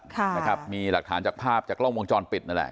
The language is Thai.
ค่ะนะครับมีหลักฐานจากภาพจากกล้องวงจรปิดนั่นแหละ